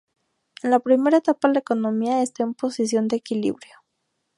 En la primera etapa la economía está en posición de equilibrio.